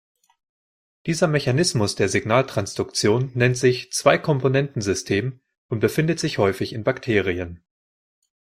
Dieser Mechanismus der Signaltransduktion nennt sich „Zwei-Komponenten-System“ und befindet sich häufig in Bakterien.